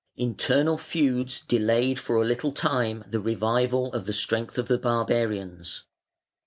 Internal feuds delayed for a little time the revival of the strength of the barbarians.